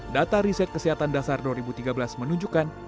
data riset kesehatan dasar dua ribu tiga belas menunjukkan